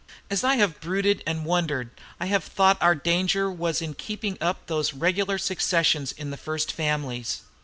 As I have brooded and wondered, I have thought our danger was in keeping up those regular successions in the first families.'